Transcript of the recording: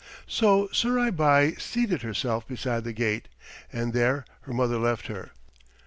So Surai Bai seated herself beside the gate, and there her mother left her.